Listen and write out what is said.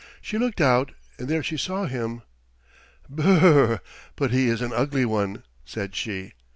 She looked out, and there she saw him. "Br r r! But he is an ugly one," said she.